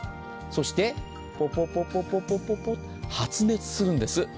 そしてポポポポ発熱するんです。